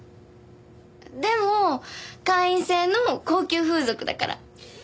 でも会員制の高級風俗だから。